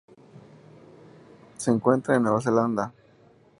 Se encuentra en el Nueva Zelanda.